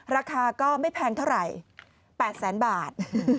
ราคาก็ไม่แพงเท่าไหร่๘แสนบาท